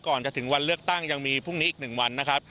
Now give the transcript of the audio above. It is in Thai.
ก่อนจะถึงวันเลือกตั้งยังมีพรุ่งนี้อีก๑วันนะครับ